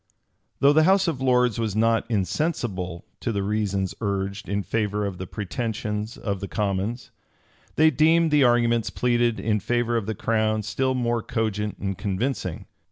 Though the house of lords was not insensible to the reasons urged in favor of the pretensions of the commons, they deemed the arguments pleaded in favor of the crown still more cogent and convincing.